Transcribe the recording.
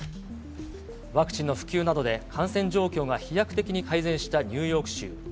ワクチンの普及などで感染状況が飛躍的に改善したニューヨーク州。